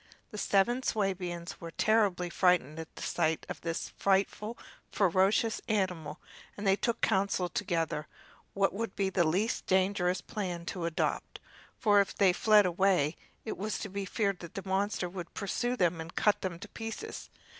The seven Swabians were terribly frightened at the sight of this frightful, ferocious animal, and they took counsel together what would be the least dangerous plan to adopt, for if they fled away it was to be feared that the monster would pursue them and cut them to pieces.